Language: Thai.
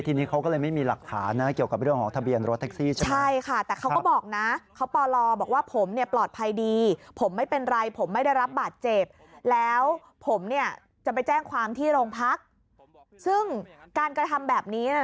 ทีนี้เขาก็เลยไม่มีหลักฐาน